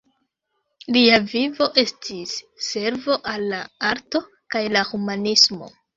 Lia vivo estis servo al la arto kaj la humanismo.